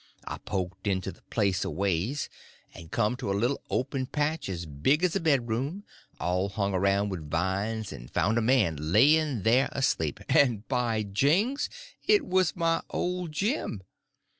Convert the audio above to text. I poked into the place a ways and come to a little open patch as big as a bedroom all hung around with vines, and found a man laying there asleep—and, by jings, it was my old Jim!